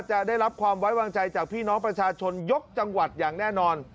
จะได้รับความไว้วางใจจากพี่น้องประชาชนยกจังหวัดอย่างแน่นอน